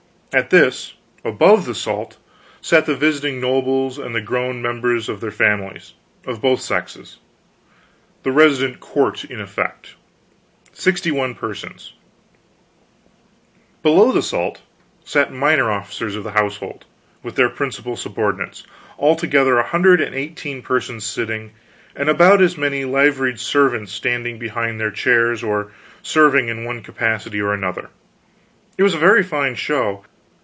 At this, above the salt, sat the visiting nobles and the grown members of their families, of both sexes, the resident Court, in effect sixty one persons; below the salt sat minor officers of the household, with their principal subordinates: altogether a hundred and eighteen persons sitting, and about as many liveried servants standing behind their chairs, or serving in one capacity or another. It was a very fine show.